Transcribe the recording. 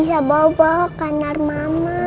kesian tapi dulu udah tetes di rumah ya